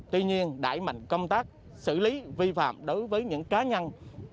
tuy nhiên đẩy mạnh công tác xử lý vi phạm đối với những cá nhân